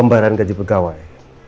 pembayaran gaji pegawai